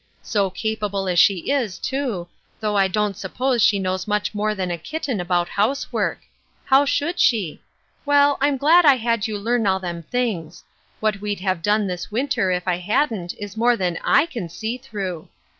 So capable as she is, too, though I don't suppose she knows much more than a kit ten about housework. How should she ? Well, I'm glad I had you learn all them things. What we'd have done this winter if I hadn't is more than / can see through.